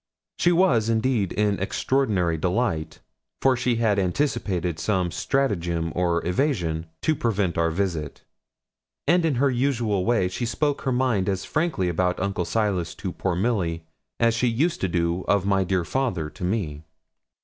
She was, indeed, in extraordinary delight, for she had anticipated some stratagem or evasion to prevent our visit; and in her usual way she spoke her mind as frankly about Uncle Silas to poor Milly as she used to do of my dear father to me.